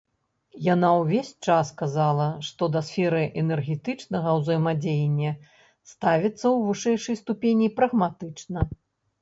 Яна ўвесь час казала, што да сферы энергетычнага ўзаемадзеяння ставіцца ў вышэйшай ступені прагматычна.